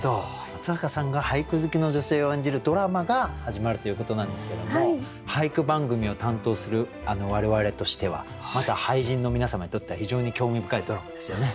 松坂さんが俳句好きの女性を演じるドラマが始まるということなんですけども俳句番組を担当する我々としてはまた俳人の皆様にとっては非常に興味深いドラマですよね。